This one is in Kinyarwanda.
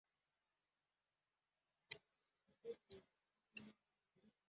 Umugabo wambaye ikoti rya orange areba kure ya kamera izamuka muri bisi